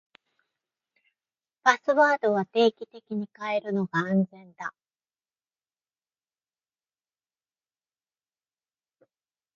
パスワードは定期的に変えるのが安全だ。